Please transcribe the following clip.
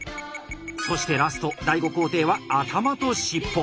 そしてラスト第５工程は頭と尻尾。